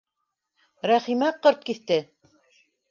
Рәхимә ҡырт киҫте: